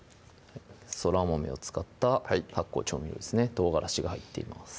そら豆を使った発酵調味料ですねとうがらしが入っています